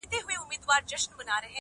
وېل سینه کي به یې مړې ډېوې ژوندۍ کړم,